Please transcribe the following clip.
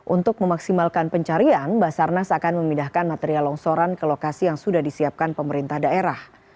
untuk memaksimalkan pencarian basarnas akan memindahkan material longsoran ke lokasi yang sudah disiapkan pemerintah daerah